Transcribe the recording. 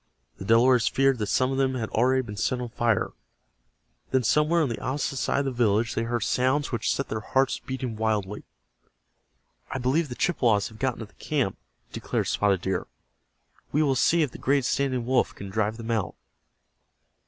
The Delawares feared that some of them had already been set on fire. Then somewhere on the opposite side of the village they heard sounds which set their hearts beating wildly. "I believe the Chippewas have got into the camp!" declared Spotted Deer. "We will see if the great Standing Wolf can drive them out."